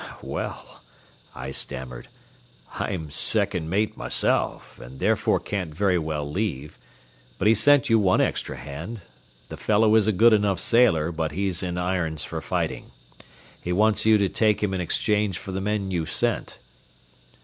"Well," I stammered, "I'm second mate myself, and therefore can't very well leave; but he's sent you one extra hand. The fellow is a good enough sailor, but he's in irons for fighting. He wants you to take him in exchange for the men you've sent."